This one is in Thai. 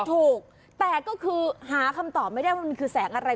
ถูกแต่ก็คือหาคำตอบไม่ได้ว่ามันคือแสงอะไร